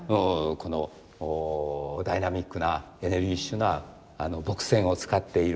このダイナミックなエネルギッシュな墨線を使っている。